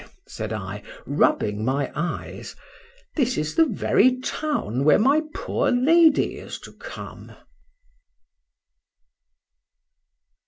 said I, rubbing my eyes,—this is the very town where my poor lady is to come.